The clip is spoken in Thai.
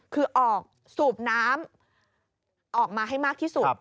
คือออกสูบน้ำออกมาให้มากที่สุด